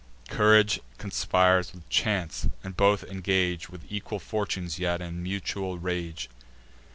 Courage conspires with chance, and both engage With equal fortune yet, and mutual rage.